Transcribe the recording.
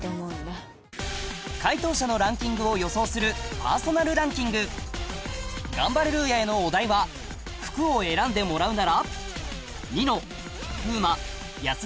回答者のランキングを予想するパーソナルランキングガンバレルーヤへのお題はどうでしょうか？